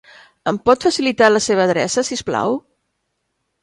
Em pot facilitar la seva adreça, si us plau?